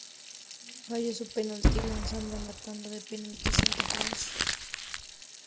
Falló su penalti lanzado en la tanda de penaltis ante Francia.